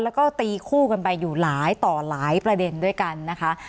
แล้วก็ตีคู่กันไปอยู่หลายต่อหลายประเด็นด้วยกันนะคะ